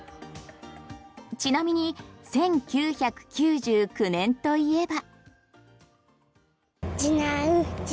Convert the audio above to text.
ちなみに１９９９年といえば。